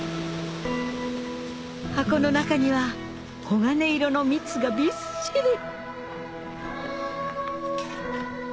箱の中には黄金色の蜜がびっしり！